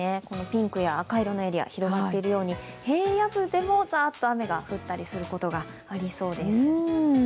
ピンクや赤色のエリア広がっているように平野部でもザッと雨が降ったりすることがありそうです。